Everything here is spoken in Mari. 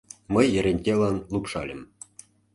Мый Ерентелан лупшальым: